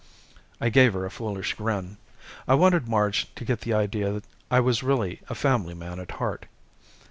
I gave her a foolish grin. I wanted Marge to get the idea I was really a family man at heart.